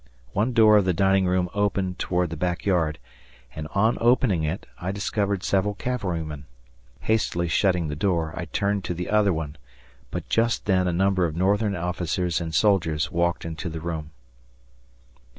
One door of the dining room opened toward the back yard, and on opening it, I discovered several cavalrymen. Hastily shutting the door, I turned to the other one, but just then a number of Northern officers and soldiers walked into the room.